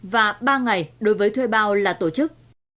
và ba ngày đối với thuê bao là tổ chức